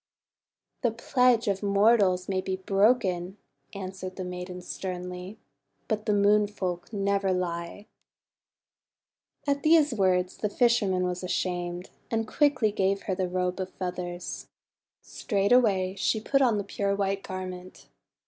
'The pledge of mortals may be broken," answered the maiden sternly, "but the Moon Folk never lie." At these words the fisherman was ashamed, and quickly gave her the Robe of Feathers. Straightway she put on the pure white garment.